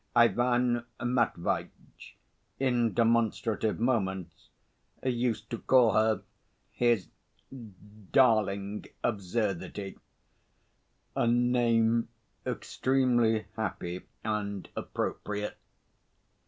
Ivan Matveitch in demonstrative moments used to call her his "darling absurdity" a name extremely happy and appropriate.